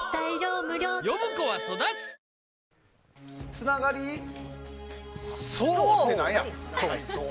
つながりそうってなんや。